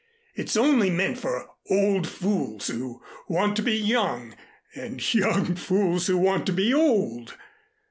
It's only meant for old fools who want to be young and young fools who want to be old.